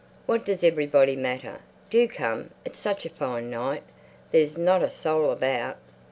"What does everybody matter? Do come! It's such a fine night. There's not a soul about."